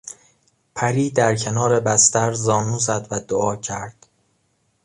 پری در کنار بستر زانو زد و دعا کرد.